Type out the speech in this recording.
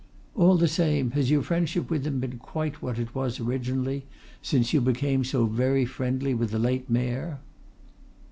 "All the same, has your friendship with him been quite what it was originally, since you became so very friendly with the late Mayor?"